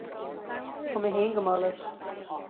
Tá mé féin go maith leis